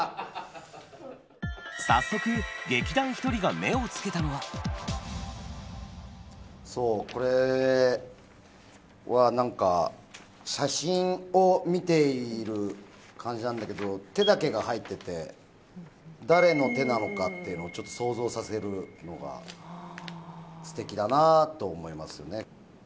早速、劇団ひとりが目をつけそう、これは、なんか写真を見ている感じなんだけど、手だけが入ってて、誰の手なのかっていうのをちょっと想像させるのが、すてきだなと思いますね。